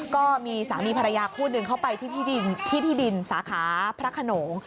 ก็มีสามีภรรยาคู่หนึ่งเข้าไปที่ที่ดินสาขาพระขนง